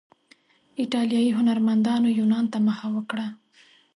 ایټالیایي هنرمندانو یونان ته مخه وکړه.